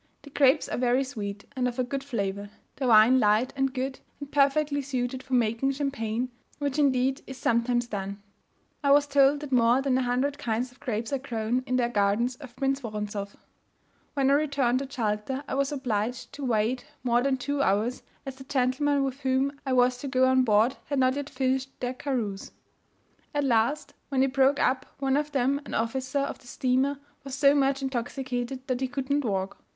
The grapes are very sweet, and of a good flavour; the wine light and good, and perfectly suited for making champagne, which indeed is sometimes done. I was told that more than a hundred kinds of grapes are grown in the gardens of Prince Woronzoff. When I returned to Jalta, I was obliged to wait more than two hours, as the gentlemen with whom I was to go on board had not yet finished their carouse. At last, when they broke up, one of them, an officer of the steamer, was so much intoxicated that he could not walk.